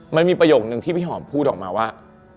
มันมีประโยคนึงที่พี่หอมพูดออกมาว่า